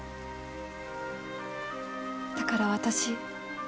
だから私